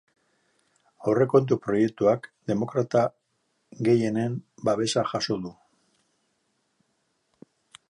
Aurrekontu proiektuak demokrata gehienen babesa jaso du.